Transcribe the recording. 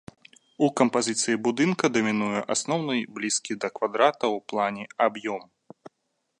У кампазіцыі будынка дамінуе асноўны блізкі да квадрата ў плане аб'ём.